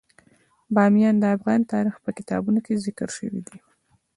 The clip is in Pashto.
بامیان د افغان تاریخ په کتابونو کې ذکر شوی دي.